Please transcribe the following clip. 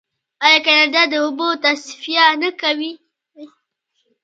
آیا کاناډا د اوبو تصفیه نه کوي؟